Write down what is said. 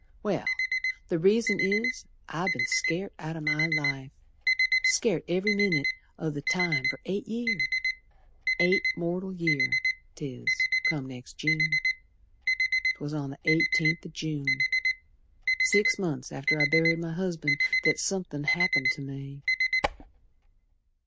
Well, the reason is I've be'n scared out o' my life. Scared ev'ry minit o' th' time, fer eight year. Eight mortal year 'tis, come next June. 'Twas on the eighteenth o' June, Six months after I'd buried my husband, That somethin' happened ter me.